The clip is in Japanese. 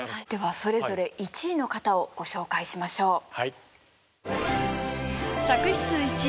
ではそれぞれ１位の方をご紹介しましょう。